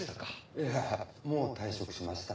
いやもう退職しました。